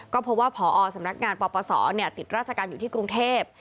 ก็พบว่าพอสำนักงานปปศติดราชการอยู่ที่กรุงเทพ